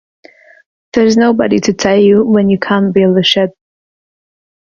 There is nobody to tell you when you can't build a shed.